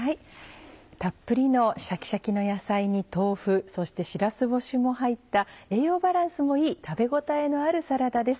たっぷりのシャキシャキの野菜に豆腐しらす干しも入った栄養バランスもいい食べ応えのあるサラダです。